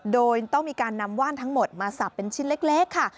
โดยต้องมีการนำว่านทั้งหมดมาสับเป็นชิ้นเล็กค่ะ